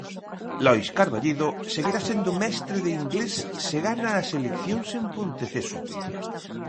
Lois Carballido seguirá sendo mestre de inglés se gana as eleccións en Ponteceso.